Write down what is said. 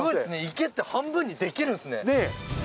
池って半分にできるんすね。